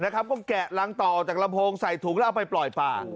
ก็แกะรังต่อออกจากลำโพงใส่ถุงแล้วเอาไปปล่อยป่า